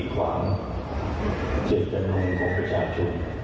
ครับ